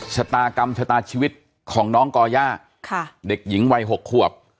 ชะตากรรมชะตาชีวิตของน้องก่อย่าเด็กหญิงวัย๖ขวบ